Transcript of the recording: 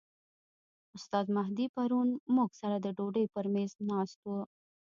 استاد مهدي پرون موږ سره د ډوډۍ پر میز ناست و.